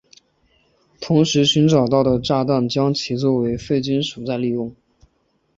同时寻找到的炸弹将其作为废金属再利用。